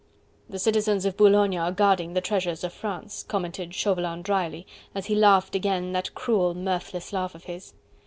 "The citizens of Boulogne are guarding the treasures of France!" commented Chauvelin drily, as he laughed again, that cruel, mirthless laugh of his.